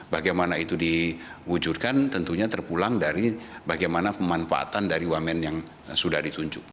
bagaimana itu diwujudkan tentunya terpulang dari bagaimana pemanfaatan dari wamen yang sudah ditunjuk